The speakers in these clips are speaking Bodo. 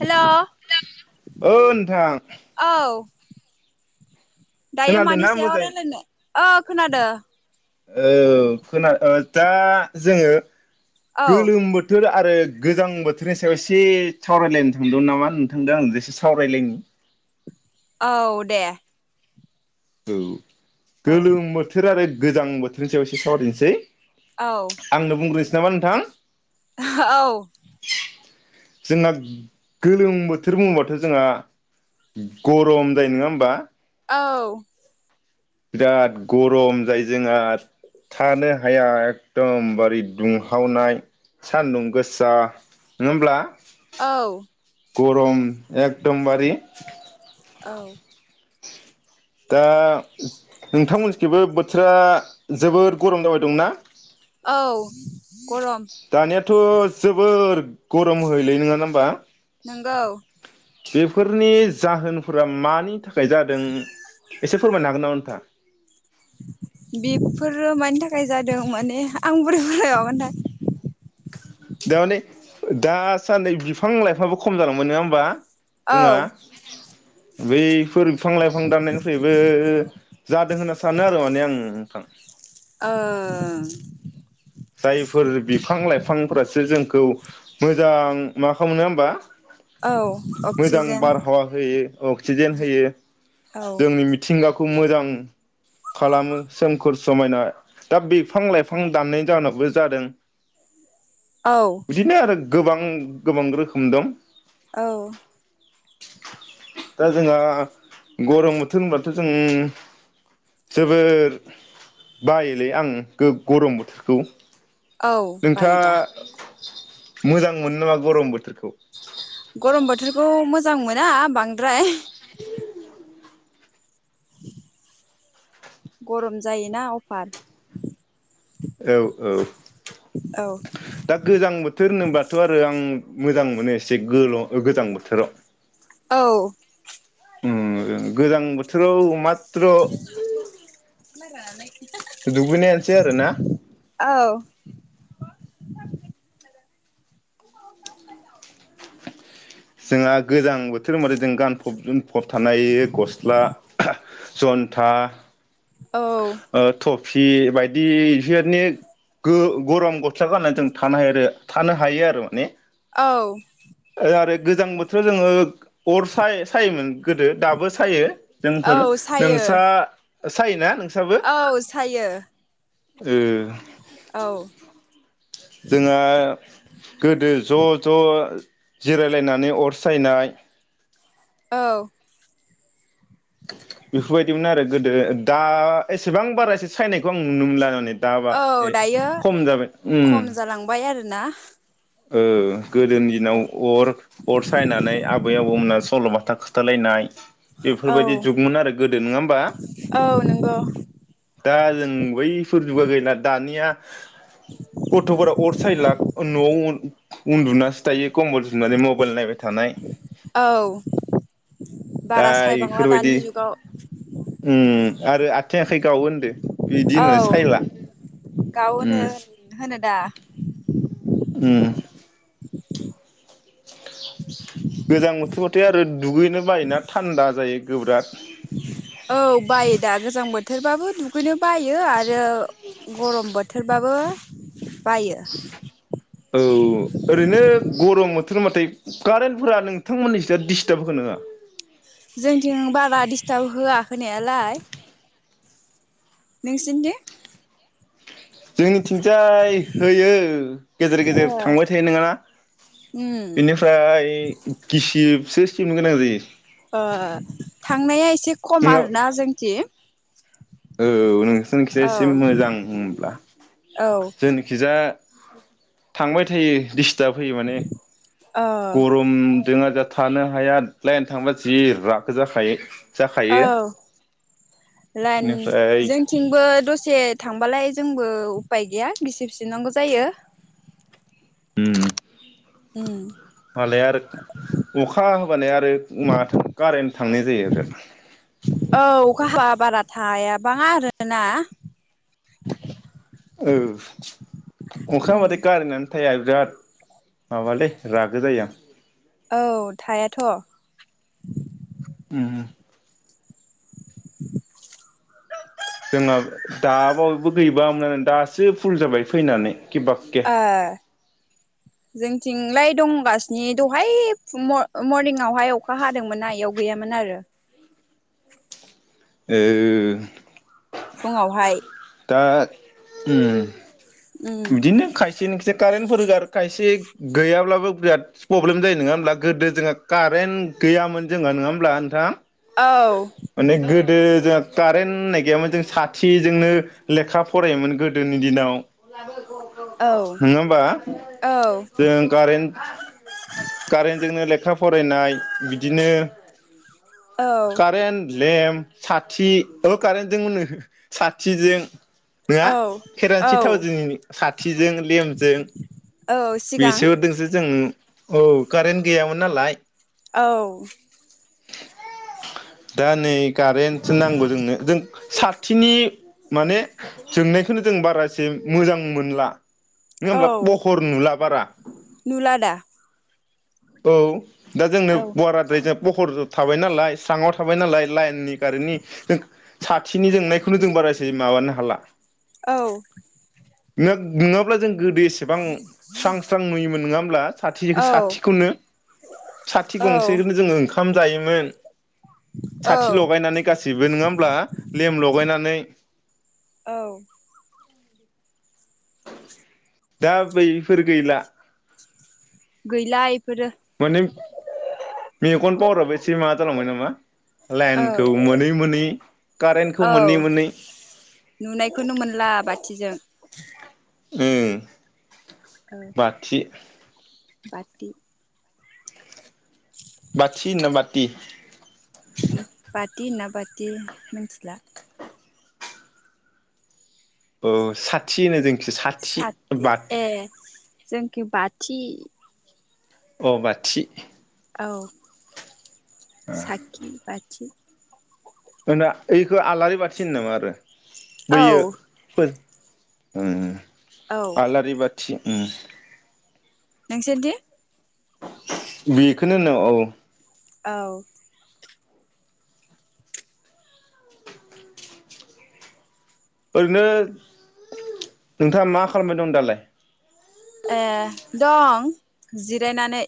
हेल' [inaudible] औ नोंथां औ दायो मानि खोनादोंना सायाव मोजाङै रायलायनो ओ खोनादों औ खोना दा जोङो औ गोलोम बोथोरा आरो गोजां बोथोरनि सायाव एसे सावरायलायनो थांदों नामा नोंथांदों आं जेसे सावरायलायनो औ दे औ औ गोलोम बोथोर आरो गोजां बोथोरनि सायाव एसे सावारिनोसै औ आंनो बुंग्रोसै [unintelligible] नोंथां जोंना गोलोम बोथोर बुङोबाथ' जोंहा गरम जायो नङा होनबा? औ। बिराद गरम जायो जोंहा थानो हाया एकदमबारे दुंहावनाय सानदुं गोसा नङा होमब्ला? औ गरम एकदमबारि औ दा नोंथांमोनखेबो बोथोरा जोबोर गरम जाबाय दंना? औ। गरम दानियाथ' जोबोर गरम होलाय नङा ना होमबा। नंगौ। बेफोरनि जाहोनफोरा मानि थाखाय जादों एसे फोरमायनो हागोन नामा नोंथाङा? बेफोरो मानि थाखाय जादों माने आं [unintelligible] दामाने दा सान्दै बिफां- लाइफां आबो खम जालांबाय नङा होमबा? औ जोंहा बैफोर बिफां- लाइफां दाननायनिफ्रायबो जादों होनना सानो आरो माने आं नोंथां। औ। जायफोर बिफां -लाइफांफोरासो जोंखौ मोजां मा खालामनो होमबा? औ मोजां अक्सिजेन बारहावा होयो अक्सिजेन होयो औ जोंनि मिथिंगाखौ [unintelligible] मोजां खालामो सोमखोर समायना दा बिफां -लाइफां दाननाय जाउनावबो जादों। औ बिदिनो आरो गोबां -गोबां रोखोम दं। औ दा जोंहा गरम बोथोर होनब्लाथ' जों जोबोर बायोलै आं गरम बोथोर [unintelligible] औ बायो दा। मोजां मोनो नामा गरम बोथोरखौ? गरम बोथोरखौ मोजां मोना बांद्राय [unintelligible] [unintelligible] गरम जायोना अफार औ औ औ दा गोजां बोथोर होनोबाथ' आरो आं मोजां मोनो एसे गोल- गोजां बोथोराव। औ उम गोजां बोथोराव मा [unintelligible] ख्रानाय दुुगैनायानोसै आरो ना? औ [unintelligible] जोंआ गोजां बोथोर होनबाथाय जों गानफब जोमफ फब थानो हायो गस्ला जन्था औ फि बायदि इफोरनि गो गरम गस्ला गानना जों थानो हायो थानो हायो आरो माने औ आरो गोजां बोथोराव जोङो अर साय-सायोमोन गोदो दाबो सायो। जोंफोर औ सायो नोंस्रा ओ सायो ना? औ सायो। ओ औ जोंहा गोदो ज' ज' जिरायलायनानै अर सायनाय औ बेफोरबायदिमोन आरो गोदो दा एसेबां बारा एसे सायनायखौ आं नुनो मोनला माने दाबा औ ए दायो खम जाबाय उम ना औ गोदोनि दिनाव अर अर सायनानै आबै आबौमोनास सल'बाथा खोथालायनाय बेफोरबायदि औ जुगमोन आरो गोदो नोङा ओमबा? नंगौ दा जों बै फोर जुगा गैला दानिया होफ [unintelligible] गथ'फोरा अर सायला ओ न'आव‌ ओन उन्दुनासो थायो कम्बल जोमनानै मबाइल नायबाय थानाय। औ दा बारा सायबांला इफोरबायदि दानि जुगाव उम आरो आथिं आख खै गावो होनदो। बिदि औ होननानै सायला गावो उम ओनो होनो दा उम गोजां बोथोरबाथाय आरो दुगैनो बायोना थान्दा जायो गोब्राब। औ बायो दा गोजां बोथोरबाबो दुगैनो। बायो आरो गरम बोथोरबाबो। बायो। औ ओरैनो गरम बोथोरबाथाय कारेन्टफोरा नोंथांमोननि जा दिस्टार्ब होगोना होआ? दिस्तार्ब होआ होनायालाय। नोंसिनिथिं जोंनिथिंजाय होयो गेजेर ओ गेजेर थांबाय थायो नङाना उम बेनिफ्राय गिसिबसो सिबनो गोनां जायो। अ थांनाया एसे एसे खम नोंङा आरोना जोंनिथि। औ। जोंनिखिजा औ एसे मोजां होमब्ला। औ ओ जोंनिखिजा थांबाय थायो दिस ताब होयो माने गरम जोंहा जा थानो हाया लाइन थांबा जि रागा जाखायो। औ जाखायो लाइन बेनिफ्राय जोंथिंबो दसे थांबालाय जोंबो उफाय गैया गिसिब सिबनांगौ जायो। होम। होम। मालाबा आरो अखा होबानो आरो कारेन्ट थांनाय जायो आरो। हाबाङा आरोना। औ। अखा उम होबाथाय कारेनानो थाया बिराद माबालै रागो जायो आं। औ थायाथ'। उम [inaudible] जोंहा दाबावोयैबो गैबाङामोन दासो फुल जाबाय फैनानै किबाके ए जों थिंलाय दंगासिनो दहाय मरनिंयावहाय अखा हादोंमोनना बेयाव गैयामोन आरो। ओ। फुङावहाय दा उम। उम बिदिनो खायसेनि खसे कारेन्ट फोरगार खायसे गैयाब्लाबो बिराद प्रब्लेम जायो नङा होमब्ला गोदो जोंहा कारेन्ट गैयामोन जोंहा नङा होमब्ला नोंथां? औ। माने गोदो जोंहा कारेन्ट होननाय गैयामोन जों साथिजोंनो लेखा फरायोमोन गोदोनि दिनाव। औ नङा होमबा जों कारेन्ट कारेन्टजोंनो लेखा फरायनाय बिदिनो औ कारेन लेम्प साथि औ कारेन्टजों होनो साथिजों। नङा औ औ खेरानसि थाव जों सत खिजों लेमजों औ सिगां बेसोरजोंसो जोङो। औ कारेन्ट गैयामोन नालाय। औ दा नै कारेन्टसो नांगौ जोंनो, जों साथिनि माने जोंनायखौनो जों बारासि मोजां मोनला। नङ औ होमब्ला पहर नुला बारा औ। नुला दा औ। दा जोंनो औ बराराद्राय जाब पहर थाबाय नालाय स्रङाव थाबाय नालाय, लाइननि कारेन्टनिों साथिनि जोंनायखौ खु द बारा एसेै माबानो हाला। औ न नङाब्ला जों गोदो एसेबां स्रां स्रां नुयोमोन नङाम प्लास साथिखो औ साथि नो, साथि औ गंसेखौनो जोङो ओंखाम जायोमोन। साथि औ लगायनानै गाससिबो नङा होमब्ला? लेम लगायनानै [unintelligible] औ। [unintelligible] दा बैफोर गैला। गैला। इफोरो माने मेगन पावाराबो एसे माबा जालांबाय नामा लाइनखौ औ मोनै मोनै कारेन्टखौ मोनै औ मोनै। नुनायखौनो मोनला बाथिजों [unintelligible] औ बाथि। [inaudible] बाथि ना बाथि। बाटि होना बाटि मिथिला। औ साथि होनो जों। एक्स' साथि बाद जोंखि बाथि। अ बाथि। औ। साखि बथि होना खौ आलारि बाथि होनो नामा? आरो बैयो। औ उम औ आलारि बा उम नोंसोर दे बेखौनो होनो औ औ ओरैनो नोंथाङा मा खालामबाय दं दालाय ए दं जिरायनानै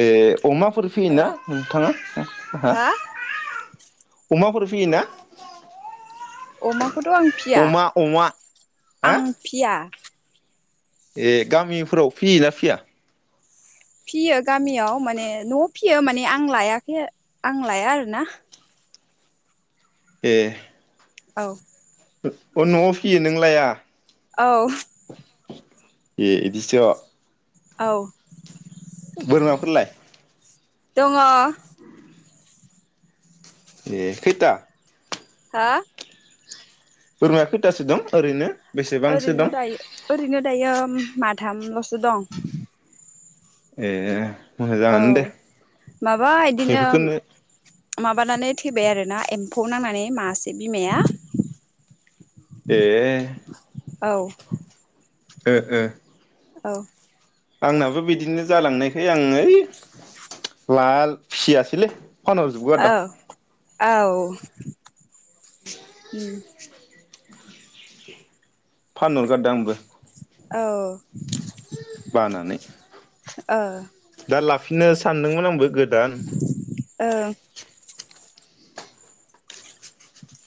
ए अमाफोर फैयोना औ नोंथाङा हा अमाफोर फियोना अमाखौथ' आं फिया अमा अमा हा आं फिया ए गामिफोराव फियोना फिया फियो गामियाव माने न'आव फियो माने आं लायाखै आं लाया आरोना ए औ अ न'आव फियो नोंलाया औ ए एदिस' औ बोरमाफोरलाय दङ ए खैता हा बोरमाया खैथासो दं ओरैनो बेसेबांसो ओरैनो दं दायो ओरैनो दायो। माथामल'सो दं। ए औ मोजाङानो दे माबा बिदिनो बेफोरखौनो माबानानै थैबाय आरो ना एम्फौ नांनानै मासे बिमाया। ए औ ओ ओ औ आंनाबो बिदिनो जालांनायखाय आं ओइ लाया फियासैलै औ औ [inaudible] उम फानहरगारदों आंबो। औ बानानै दा ला फिननो सानदोंमोन आंबो गो ओं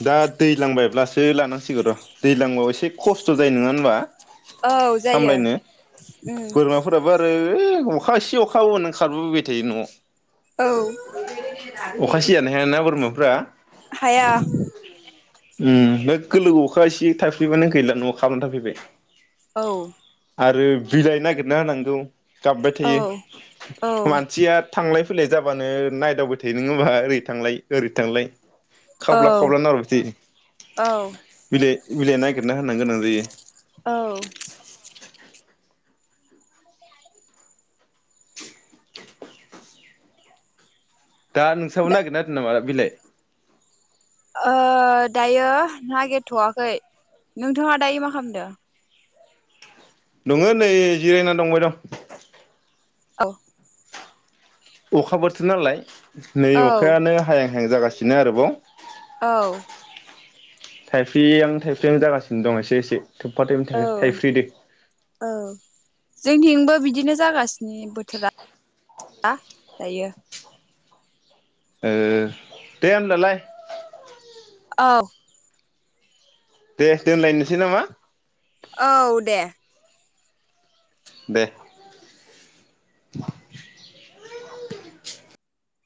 दा दैलांबायब्लासो लानांसिगौ र' दैज्लांबाव एसे खस्थ' जायो नङा होनबा? औ जायो सामलायनो उम बोरमाफोराबो आरो है अखा एसे अखा हाबानो खारबोबाय थायो न'आव औ अखा सि जानो हायाना बोरमाफ्रा। हाया। उम लोगो लोगो अखा एसे थाइफ्रिबानो गैला न'आव खारना थाफैबाय। औ। आरो बिलाइ नागिरना होनांगौ। गाबबाय औ थायो। औ मानसिया थांलाय फैनाय जाबानो नायदावबाय थायो। नोङा होमबा? ओरै थांलाय ओरै थांलाय औ खावब्ला खावब्ला नाहरबाय थायो। औ। बिलाइ बिलाइ नागिरना होनांगोन आरो औ। दा नोंसाबो दा नागिरना होदोंना नामा बिलाय ओ दायो नागिरथ'वाखै। नोंथाङा दायो मा खालामदों? दङो नै जिरायना दंबाय दं। औ। अखा बोथोर नालाय। नै औ अखायानो हाया हाहां जागासिनो आरोबाव औ थाइफ्रिहां थाइफ्रिहां जागासिनो दं एसे एसे थोबफा औ थोबफि थाइफ्रिदो औ जोंथिंबो बिदिनो जागासिनो बोथोरा दायो। ओ दे होमब्लाय औ दे दोनलायनोसै नामा औ दे दे [inaudible]